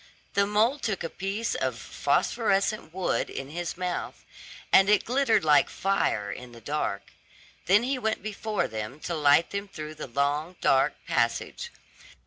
The mole took a piece of phosphorescent wood in his mouth, and it glittered like fire in the dark; then he went before them to light them through the long, dark passage.